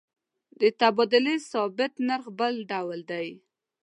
د تبادلې ثابت نرخ بل ډول دی.